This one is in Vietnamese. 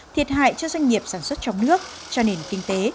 thiệt hại cho doanh nghiệp sản xuất trong nước cho nền kinh tế